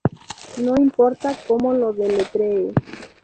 no importa como lo deletree.